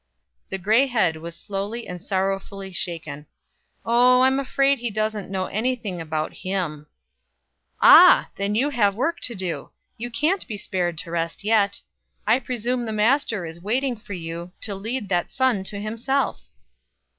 The gray head was slowly and sorrowfully shaken. "Oh, I'm afraid he don't know nothing about Him." "Ah! then you have work to do; you can't be spared to rest yet. I presume the Master is waiting for you to lead that son to himself."